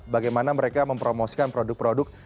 bagaimana mereka mempromosikan produk produk